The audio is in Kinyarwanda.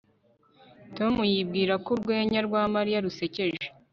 Tom yibwiraga ko urwenya rwa Mariya rusekeje